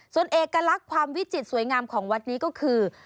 ส่วนเอกลักษณ์ความวิจิตรสวยงามของวัดนี้ก็คือ